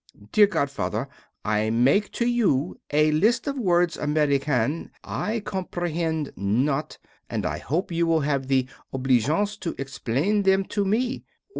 Dear godfather, I make to you a list of words American I comprehend not, and I hope you will have the obligeance to explicate them to me.